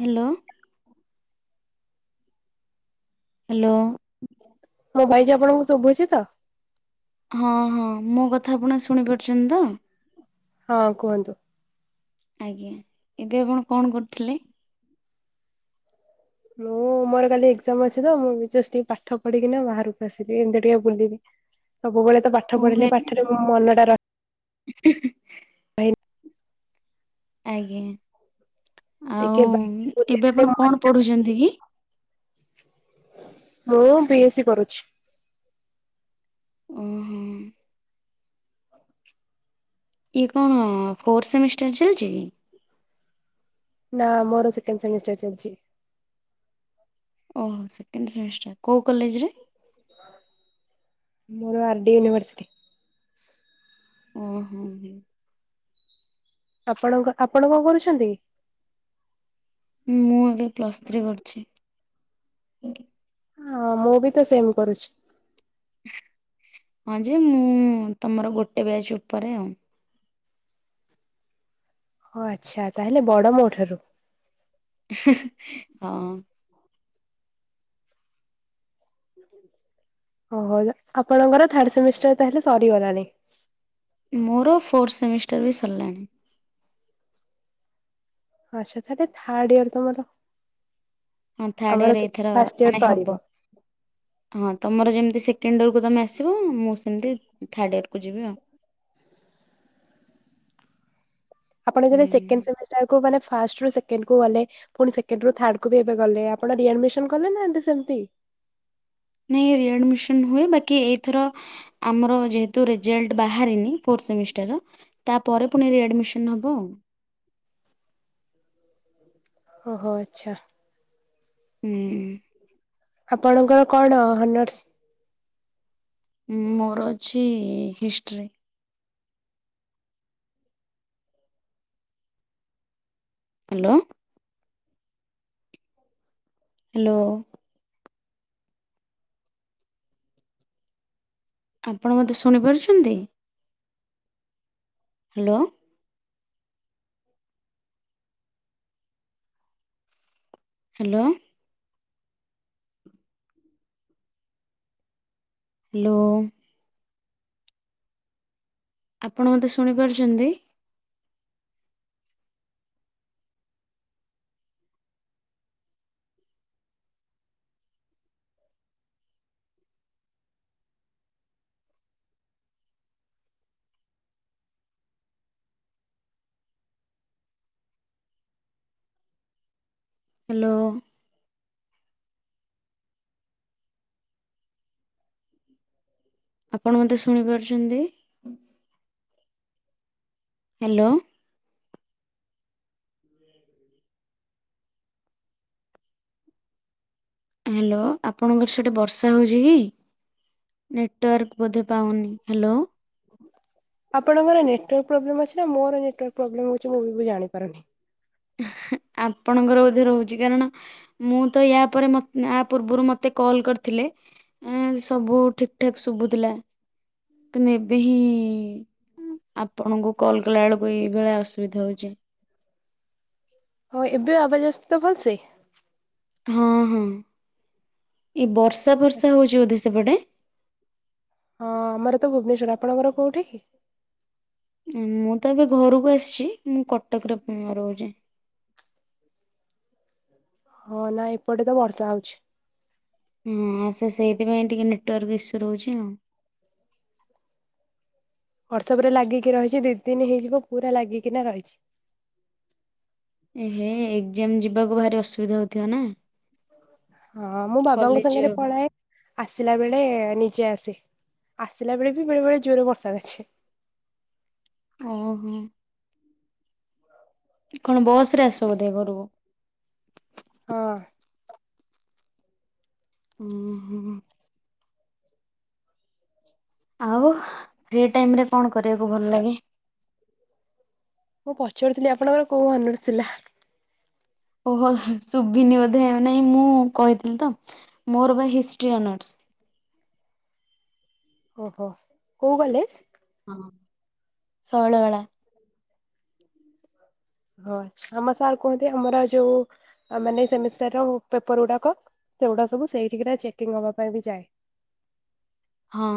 Hello. Hello. ମୋ voice ଆପଣଙ୍କୁ ସଭୁଛି ତ? ହଁ ହଁ ମୋ କଥା ଆପଣ ଶୁଣି ପାରୁଛନ୍ତି ତ? ହଁ କୁହନ୍ତୁ? ଆଜ୍ଞା, ଏବେ ଆପଣ କଣ କରୁଥିଲେ? ହୁଁ। ମୋର କାଲି ଏଗ୍ଜାମ ଅଛି ତ ମୁଁ ଜଷ୍ଟ ଟିକେ ପାଠ ପଢ଼ି କି ନା ବାହାରକୁ ଆସିଲି ଏମିତି ଟିକେ ବୁଲିବି। ସବୁବେଳେ ତ ପାଠ ଓହୋ ଏ ପଢ଼ିଲେ ପାଠରେ ମନ ଟା ର [unintelligible] ଆଜ୍ଞା ଆଉ ଟିକେ ଏବେ ଆପଣ କଣ ପଢ଼ୁଛନ୍ତି କି? ମୁଁ ବି ଏସ୍ ସି କରୁଛି। ଓ ହୋ। ଇଏ କଣ ଫୋର୍ଥ ସେମିଷ୍ଟାର ଚାଲିଛି କି? ନା ମୋର ସେକଣ୍ଡ ସେମିଷ୍ଟାର ଚାଲିଛି। ଓହୋ ସେକଣ୍ଡ ସେମିଷ୍ଟାର କୋଉ କଲେଜ ରେ? ମୋର ଆର ଡି ୟୁନିଭର୍ସିଟି। ଉଁ ହୁଁ ହୁଁ। ଆପଣଙ୍କ ଆପଣ କଣ କରୁଛନ୍ତି? ମୁଁ ଏବେ ପ୍ଲସ୍ ଥ୍ରୀ କରୁଚି। ଅଁ ମୁଁ ବି ତ ସେମ୍ କରୁଚି। ହଁ ଯେ ମୁଁ ତମର ଗୋଟେ ବ୍ୟାଚ୍ ଉପରେ ଆଉ। ଓ ଆଚ୍ଛା। ତାହେଲେ ବଡ ମୋ ଠାରୁ। ହଁ। ଓହୋ। ଆପଣଙ୍କର ଥାର୍ଡ ସେମିଷ୍ଟର ତାହେଲେ ସରିଗଲାଣି? ମୋର ଫୋର୍ଥ ସେମିଷ୍ଟର ବି ସରିଲାଣି। ଆଚ୍ଛା ତାହେଲେ ଥାର୍ଡ ଇୟର ତମର। ହଁ ଥାର୍ଡ ଆମର ଇୟର ଏଇଥର ଫାଷ୍ଟ ଇୟର ମାନେ ସରିବ। ହବ। ହଁ ତମର ଯେମିତି ସେକେଣ୍ଡ ଇୟରକୁ ତମେ ଆସିବ ମୁଁ ସେମିତି ଥାର୍ଡ଼ ଇୟରକୁ ଯିବି ଆଉ। ଆପଣ ହୁଁ ଯେତବେଳେ ସେକେଣ୍ଡ ସେମିଷ୍ଟାର୍ କୁ ମାନେ ଫାଷ୍ଟ ରୁ ସେକେଣ୍ଡ କୁ ଗଲେ ପୁଣି ସେକେଣ୍ଡ ରୁ ଥାର୍ଡ କୁ ବି ଏବେ ଗଲେ, ଆପଣ ରିଆଡ଼ମିସନ୍ କଲେ ନା ଏଟା ସେମତି? ନାଇଁ ରିଆଡମିସନ୍ ହୁଏ। ବାକି ଏଇଥର ଆମର ଯେହେତୁ ରେଜଲ୍ଟ ବାହାରିନି ଫୋର୍ଥ ସେମିଷ୍ଟର ର ତାପରେ ପୁଣି ରିଆଡମିସନ୍ ହବ। ଓହୋ ଆଚ୍ଛା। ହୁଁ। ଆପଣଙ୍କର କଣ ହନର୍ଷ? ମୋର ଅଛି ହିଷ୍ଟ୍ରି। ହାଲୋ। ହାଲୋ। ଆପଣ ମୋତେ ଶୁଣିପାରୁଛନ୍ତି? ହାଲୋ। ହାଲୋ। ହାଲୋ। ଆପଣ ମୋତେ ଶୁଣିପାରୁଛନ୍ତି? ହାଲୋ। ଆପଣ ମତେ ଶୁଣିପାରୁଛନ୍ତି? ହାଲୋ। ହାଲୋ। ଆପଣଙ୍କର ସେଠି ବର୍ଷା ହଉଚି କି? ନେଟୱାର୍କ ବୋଧେ ପାଉନି। ହାଲୋ। ଆପଣଙ୍କର ନେଟୱାର୍କ ପ୍ରୋବ୍ଲେମ୍ ଅଛି ନା ମୋର ନେଟୱର୍କ ପ୍ରୋବ୍ଲେମ୍ ଅଛି ମୁଁ ବି ଜାଣିପାରୁନି। ଆପଣଙ୍କର ବୋଧେ ରହୁଚି। କାରଣ ମୁଁ ତ ୟା ପରେ ମ ପୂର୍ବରୁ ମତେ କଲ୍ କରିଥିଲେ ଏଁ ସବୁ ଠିକ୍ ଠାକ୍ ଶୁଭୁଥିଲା। କିନ୍ତୁ ଏବେ ହିଁ ଆପଣଙ୍କୁ କଲ୍ କଲା ବେଳକୁ ଏଇଭଳିଆ ଅସୁବିଧା ହ ହଉ ଏବେ ଆବାଜ ଆସୁଚି ତ ଭଲସେ? ହଁ ହଁ। ଏଇ ବର୍ଷା ଫର୍ଷା ହଉଚି ବୋଧେ ସେପଟେ? ହଁ ଆମର ତ ଭୁବନେଶ୍ଵର। ଆପଣଙ୍କ ଘର କୋଉଠି କି? ମୁଁ ତ ଏବେ ଘରକୁ ଆସିଚି। ମୁଁ କଟକରେ ରହୁଚି। ହଁ ନା ଏପଟେ ତ ବର୍ଷା ହଉଚି। ହଁ ସେ ସେଇଥିପାଇଁ ଟିକେ ନେଟୱାର୍କ ଇସ୍ୟୁ ରହୁଚି ଆଉ। ବର୍ଷା ପୁରା ଲାଗିକି ରହିଚି ଦି ଦିନି ହେଇଯିବ ପୁରା ଲାଗିକିନା ରହିଚି। ଏ ହେ ଏକ୍ଜାମ ଯିବାକୁ ଭାରି ଅସୁବିଧା ହଉଥିବ ନା। ହଁ ମୁଁ ବାବାଙ୍କ କଲେଜ ସାଙ୍ଗରେ ଯିବାକୁ ପଳାଏ। ଆସିଲା ବେଳେ ନିଜେ ଆସେ ଆସିଲା ବେଳେ ବି ବେଳେ ବେଳେ ଜୋର ବର୍ଷା କାଚେ। ଓହୋ। କଣ ବସ ରେ ଆସ ବୋଧେ ଘରକୁ? ହଁ। ହୁଁ ହୁଁ। ଆଉ ଫ୍ରି ଟାଇମ ରେ କଣ କରିବାକୁ ଭଲ ଲାଗେ? ମୁଁ ପଚାରୁଥିଲି ଆପଣଙ୍କର କୋଉ ଅନରସ ଥିଲା? ଓହୋ ଶୁଭିନି ବୋଧେ ନାଇଁ ମୁଁ କହିଥିଲି ତ ମୋର ବା ହିଷ୍ଟରି ଅନର୍ସ। ଓହୋ କୋଉ କଲେଜ? ହଁ ଶୈଳବାଳା। ହଁ ଆମ ସାର୍ କୁହନ୍ତି ଆମର ଯୋଉ ଅ ମାନେ ସେମିଷ୍ଟାର ର ପେପର ଗୁଡାକ। ସେଗୁଡା ସବୁ ସେଇଠିକି ନା ଚେକିଂ ହବା ପାଇଁ ବି ଯାଏ। ହଁ।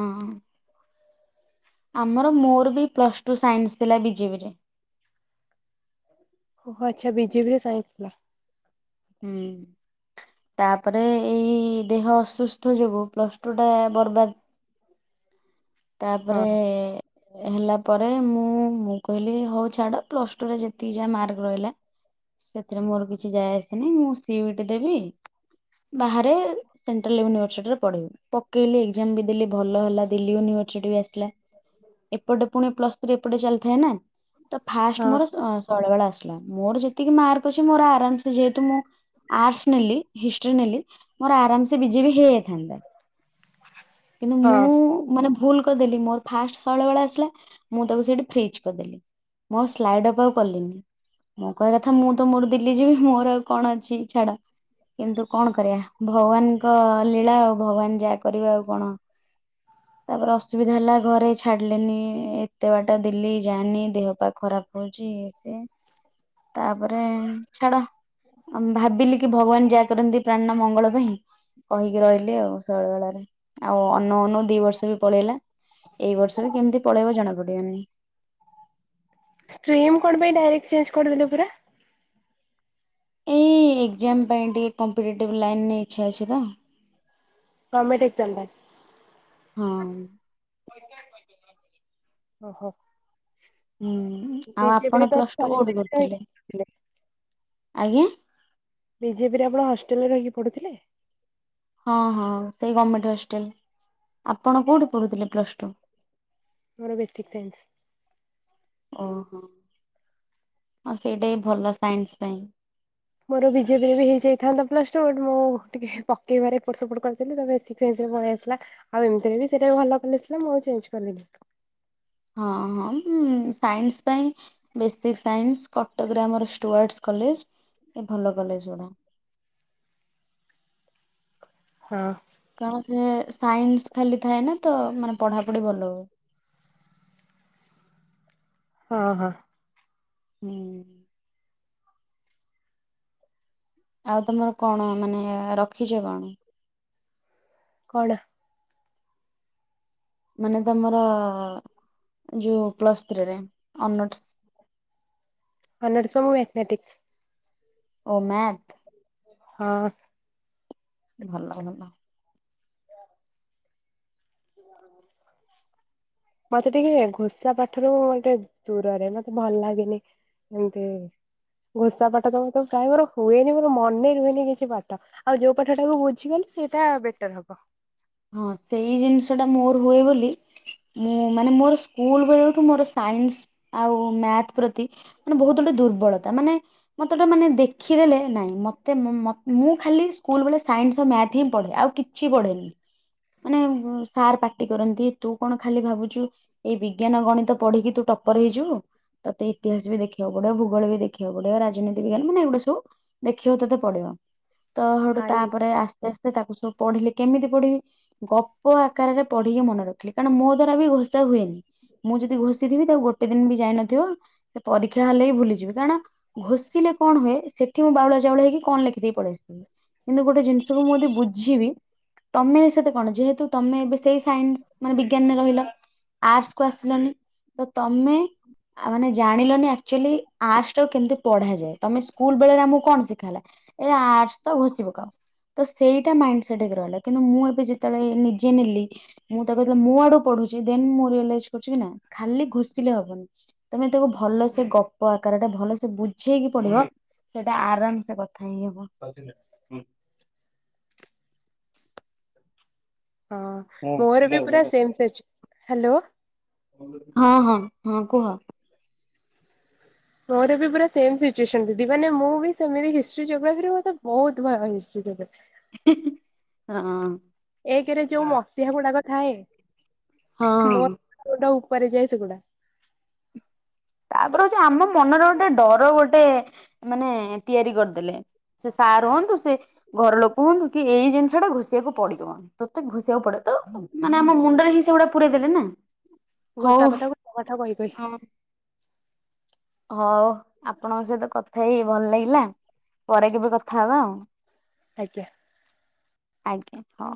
ଆମର ମୋର ବି ପ୍ଲସ୍ ଟୁ ସାଇନ୍ସ ଥିଲା ବି ଜେ ବି ରେ। ଓହୋ ଆଚ୍ଛା ବି ଜେ ବି ରେ ସାଇନ୍ସ ଥିଲା। ହୁଁ। ତାପରେ ଏଇ ଦେହ ଅସୁସ୍ଥ ଯୋଗୁ ପ୍ଲସ ଟୁ ଟା ବର୍ବା ତାପରେ। ହଁ ହେଲା ପରେ ମୁଁ ମୁଁ କହିଲି ହଉ ଛାଡ ପ୍ଲସ ଟୁରେ ଯେତିକି ଯାହା ମାର୍କ ରହିଲା। ସେଥିରେ ମୋର କିଛି ଯାଏ ଆସେ ନାହିଁ ମୁଁ ସି ୟୁ ଇ ଟି ଦେବି ବାହାରେ। ସେଣ୍ଟ୍ରାଲ ୟୁନିଭର୍ସିଟି ରେ ପଢ଼ିବି ପକେଇଲି ଏକ୍ଜାମ ବି ଦେଲି ଭଲ ହେଲା ଦିଲି ୟୁନି [unintelligible] ଆସିଲା ଏପଟେ ପୁଣି ପ୍ଲସ୍ ଥ୍ରି ଏପଟେ ଚାଲିଥାଏ ନା। ତ ଫାର୍ଷ୍ଟ ହଁ ମୋର ଅଁ ଶୈଳବାଳା ଆସିଲା ମୋର ଯେତିକି ମାର୍କ ଅଛି ମୋର ଆରାମେ ସେ ଯେହେତୁ ମୁଁ। ଆର୍ଟସ ନେଲି ହିଷ୍ଟ୍ରି ନେଲି ମୋର ଆରାମ ସେ ବି ଜେ ବି ହେଇଯାଇଥାନ୍ତା। କିନ୍ତୁ ହଁ ମୁଁ ମାନେ ଭୁଲ କରିଦେଲି ମୋର ଫାର୍ଷ୍ଟ ଶୈଳବାଳା ଆସିଲା ମୁଁ ତାକୁ ସେଇଠି ଫ୍ରିଜ କରିଦେଲି। ମୁଁ ଆଉ ସ୍ଲାଇଡ ଅପ ଆଉ କଲିନି। ମୋ କହିବା କଥା ମୁଁ ତ ମୋର ଦିଲ୍ଲୀ ଯିବି ମୋର ଆଉ କଣ ଅଛି ଛାଡ। କିନ୍ତୁ କଣ କରିବା ଭଗବାନଙ୍କ ଲୀଳା ଆଉ ଭଗବାନ ଯାହା କରିବେ ଆଉ କଣ। ତାପରେ ଅସୁବିଧା ହେଲା ଘରେ ଛାଡିଲେନି ଏତେ ବାଟ ଦିଲ୍ଲୀ ଯାନି ଦେହ ପା ଖରା ହଉଛି ଇଏ ସିଏ ତାପରେ ଛାଡ। ଅଁ ଭାବିଲି କି ଭଗବାନ ଯାହା କରନ୍ତି। ପ୍ରାଣିର ମଙ୍ଗଳ ପାଇଁ କହିକି ରହିଲି ଆଉ ଶୈଳବାଳାରେ ଆଉ ଅନଉ ଅନଉ ଦି ବସ ପଳେଇଲା ଏଇ ବର୍ଷ ବି କେମିତି ପଳେଇବ ଜଣା ପଡିବନି। ଷ୍ଟ୍ରିମ୍ କଣ ପାଇଁ ଡାଇରେକ୍ଟ ଚେଞ୍ଜ କରିଦେଲେ ପୁରା? ଏଇ ଏକ୍ଜାମ ପାଇଁ ଟିକେ କମ୍ପିଟେଟିଭ ଲାଇନରେ ଇଚ୍ଛା ଅଛି ତ। ଗମେଣ୍ଟ ଏକ୍ଜାମ ପାଇଁ। ହୁଁ। ଓହୋ। ହୁଁ ଆଉ ବିଜେପିରେ ଆପଣ ତ ପ୍ଲସ ଟୁ କୋଉଠି ହଷ୍ଟେଲରେ ରହିକି କରୁଥିଲେ? ପଢୁଥିଲେ। ଆଜ୍ଞା। ବି ଜେ ବି ରେ ଆପଣ ହଷ୍ଟେଲ ରେ ରହିକି ପଢୁଥିଲେ? ହଁ ହଁ ସେଇ ଗମେଣ୍ଟ ହଷ୍ଟେଲ। ଆପଣ କୋଉଠି ପଢୁଥିଲେ ପ୍ଲସ ଟୁ? ମୋର ବେସିକ୍ ସାଇନ୍ସ। ଓହୋ, ଆଉ ସେଇଟା ଭଲ ସାଇନ୍ସ ପାଇଁ। ମୋର ବିଜେପିରେ ବି ହେଇଯାଇଥାନ୍ତା ପ୍ଲସ ଟୁ, ବଟ୍ ମୁଁ ଟିକେ ପକେଇବାରେ ଟିକେ ଏପଟ ସେପଟ କରିଦେଲି ତ ସେ ସେଇଥିରେ ପଳେଇ ଆସିଲା, ଆଉ ଏମିତିରେ ବି ସେଟା ଭଲ କଲେଜ ଥିଲା, ମୁଁ ଆଉ ଚେଞ୍ଜ କଲିିନି। ହଁ, ହଁ, ହୁଁ, ସାଇନ୍ସ ପାଇଁ ବେସିକ୍ ସାଇନ୍ସ, କଟକ ରେ ଆମର ଷ୍ଟୁଆର୍ଟସ୍ କଲେଜ, ଏ ଭଲ କଲେଜ ଗୁଡ଼ା। ହଁ। କଣ ସେ ସାଇନ୍ସ ଖାଲି ଥାଏ ନା, ତ ମାନେ ପଢାପଢି ଭଲ ହୁଏ? ହଁ, ହଁ। ହୁଁ। ଆଉ ତମର କଣ ମାନେ, ରଖିଚ କଣ? କଣ? ମାନେ ତମର ଯୋଉ ପ୍ଲସ୍ ଥ୍ରୀରେ, ଅନର୍ସ ଅନର୍ସ ରୁ ମୁଁ ମାଥମେଟିକସ୍। ଓ ମ୍ୟାଥ? ହଁ। ଭଲ ଭଲ। [inaudible] ମତେ ଟିକେ ଘୋସା ପାଠରୁ, ମଟେ ଦୂରରେ, ମତେ ଭଲ ଲାଗେନି। ଏମତି, ଘୋଷା ପାଠ ତମେ ତ ପ୍ରାୟେ ମୋର ହୁଏନି, ମୋର ମନେ ରୁହେନି କିଛି ପାଠ। ଆଉ ଯୋଉ ପାଠ ଟାକୁ ବୁଝିଗଲି, ସେଇଟା ବେଟର ହବ। ହଁ, ସେଇ ଜିନିଷଟା ମୋର ହୁଏ ବୋଲି ମୁଁ, ମାନେ ମୋର ସ୍କୁଲ ବେଳଠୁ ମୋର, ସାଇନ୍ସ ଆଉ ମ୍ୟାଥ ପ୍ରତି ମାନେ ବହୁତ ଗୋଟେ ଦୁର୍ବଳତା, ମାନେ ମତେଟା ମାନେ ଦେଖିଦେଲେ, ନାଇଁ, ମତେ ମୁଁ ଖାଲି ସ୍କୁଲ ବେଳେ ସାଇନ୍ସ ମ୍ୟାଥ ହିଁ ପଢେ ଆଉ କିଛି ପଢ଼େନି। ମାନେ ସାର୍ ପାଟି କରନ୍ତି, ତୁ କଣ ଖାଲି ଭାବୁଚୁ ଏଇ ବିଜ୍ଞାନ, ଗଣିତ ପଢିକି ତୁ ଟପର ହେଇଯିବୁ? ତତେ ଇତିହାସ ବି ଦେଖିବାକୁ ପଡିବ, ଭୂଗୋଳ ବି ଦେଖିବାକୁ ପଡିବ, ରାଜନୀତି ବିଜ୍ଞାନ ମାନେ ଏ ଗୁଡା ସବୁ ଦେଖିବା କୁ ତତେ ପଡିବ, ତ ହେଟୁ ଭାଇ ତାପରେ ଆସ୍ତେ- ଆସ୍ତେ ତାକୁ ସବୁ ପଢିଲି, କେମିତି ପଢିବି ଗପ ଆକାରରେ ପଢିକି ମନେ ରଖ ଖାଲି, କାରଣ ମୋ ଦ୍ଵାରା ବି ଘୋଷା ହୁଏନି, ମୁଁ ଯଦି ଘୋଷିଥିବି, ତାକୁ ଗୋଟେ ଦିନ ବି ଯାଇନଥିବ ସେ ପରୀକ୍ଷା ହେଲେ ହିଁ ଭୁଲିଯିବି, କାରଣ ଘୋଷିଲେ କଣ ହୁଏ, ସେଠି ମୁଁ ବାଉଳା ଚାଉଳ ହେଇକି କଣ ଲେଖିଦେଇ ପଳେଇ ଆସିଥିବି। କିନ୍ତୁ ଗୋଟେ ଜିନିଷକୁ ମୁଁ ଯଦି ବୁଝିବି, ତମେ ସେତେ କଣ ଯେହେତୁ ତମେ ଏବେ ସେଇ ସାଇନ୍ସ ମାନେ ବିଜ୍ଞାନରେ ରହିଲ, ଆର୍ଟସ କୁ ଆସିଲନି, ତ ତମେ ଆ ମାନେ ଜାଣିଲନି ଆକଚୁଆଲି, ଆଟ୍ସ ଟାକୁ କେମତି ପଢାଯାଏ, ତମେ ସ୍କୁଲ ବେଳେରେ ଆମକୁ କଣ ଶିଖାଗଲା ଏ ଆର୍ଟସ ତ, ଘୋଷି ପକାଅ, ତ ସେଇଟା ମାଇଣ୍ଡ ସେଟ୍ ହେଇକି ରହିଲା, କିନ୍ତୁ ମୁଁ ଏ ମୁଁ ଯେତେବେଳେ ନିଜେ ନେଲି ମୁଁ ତାକୁ ଯେତେବେଳେ ମୋ ଆଡୁ ପଢୁଛି, ଦେନ୍ ମୁଁ ରିଅଲାଇଜ୍ କରୁଚି କି ନା, ଖାଲି ଘୋଷିଲେ ହବନି। ତମେ ତାକୁ ଭଲ ସେ ଗପ ଆକାର ଟା, ଭଲ ସେେ ବୁଝେଇକି ପଡିବ ସେଇଟା ଆରାମ ସେ କଥା ହେଇ ହବ। ହଁ, ମୋର ବି ପୁର ସେମ ସେଜ୍, ହାଲୋ ହଁ ହଁ, ହଁ କୁହ ମୋର ବି ପୁରା ସେମ ସିଚୁଏସନ ଦିଦି, ମାନେ ମୁଁ ବି ସେମିତି ହିଷ୍ଟି ଜୋଗ୍ରାଫି ମୋତେ ବହୁତ ଭୟ ହିଷ୍ଟରି ଯୋଗ୍ରାଫି। ହଁ ଏକରେ ଯୋଉ ମସିହା ଗୁଡାକ ଥାଏ ହଁ ହ। ଜୋଉଟା ଉପରେ ଯାଏ ସେ ଗୁଡା। ତାପରେ ହଉଛି ଆମ ମନରେ ଗୋଟେ ଡର ଗୋଟେ ମାନେ ତିଆରି କରିଦେଲେ। ସେ ସାର୍ ହୁଅନ୍ତୁ ସେ ଘର ଲୋକ ହୁଅନ୍ତୁ କି ଏଇ ଜିନିଷ ଟା ଘୋଷିବାକୁ ପଡିବ। ତୋତେ ଘୁଷିବାକୁ ପଡେ ତ ମାନେ ଆମ ମୁଣ୍ଡରେ ହିଁ ସେଗୁଡା ପୁରେଇ ଦେଲେ ନା। ହଉ [unintelligible] ହଉ ଆପଣଙ୍କ ସହିତ କଥା ହେଇ ଭଲ ଲାଗିଲା ପରେ କେବେ କଥା ହବା ଆଉ। ଆଜ୍ଞା। ଆଜ୍ଞା ହଁ।